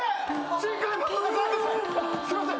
すいません